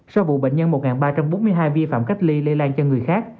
sau vụ bệnh nhân một ba trăm bốn mươi hai vi phạm cách ly lây lan cho người khác